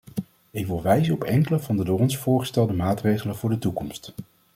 Ik wil wijzen op enkele van de door ons voorgestelde maatregelen voor de toekomst.